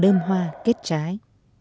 đơm hoa kết trái